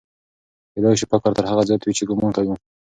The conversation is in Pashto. کېدای سي فقر تر هغه زیات وي چې ګومان کوو.